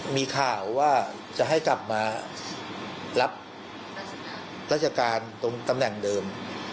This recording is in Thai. มีข่าวว่าจะให้กลับมารับราชการตรงตำแหน่งเดิม